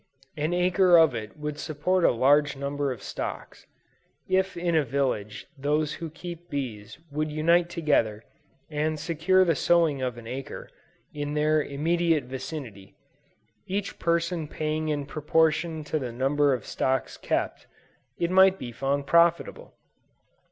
An acre of it would support a large number of stocks. If in a village those who keep bees would unite together and secure the sowing of an acre, in their immediate vicinity, each person paying in proportion to the number of stocks kept, it might be found profitable.